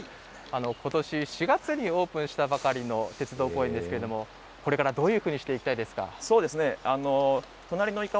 ことし４月にオープンしたばかりの鉄道公園ですけれどもこれからどういうふうにしていきたいですか。